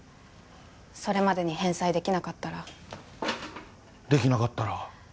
それまでに返済できなかったらできなかったら？